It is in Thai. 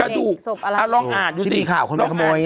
เออศพเด็กศพอะไรที่มีข่าวคนไปขโมยอย่างนี้อ่าลองอ่านดูสิ